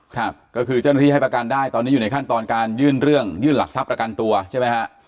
ครับก็คือเจ้าหน้าที่ให้ประกันได้ตอนนี้อยู่ในขั้นตอนการยื่นเรื่องยื่นหลักทรัพย์ประกันตัวใช่ไหมฮะ